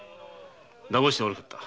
だまして悪かった。